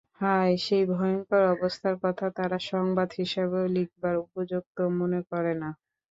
হায়, সেই ভয়ঙ্কর অবস্থার কথা তারা সংবাদ হিসাবেও লিখবার উপযুক্ত মনে করে না।